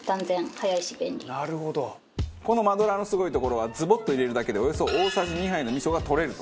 このマドラーのすごいところはズボッと入れるだけでおよそ大さじ２杯の味噌が取れると。